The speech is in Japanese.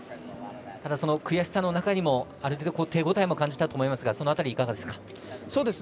ただ、その悔しさの中にもある程度、手応えも感じたと思いますがその辺りいかがですか？